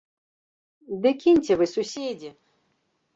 Ды кіньце вы, суседзе!